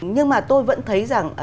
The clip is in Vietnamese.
nhưng mà tôi vẫn thấy rằng